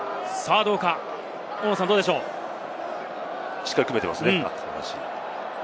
しっかり組めてますね。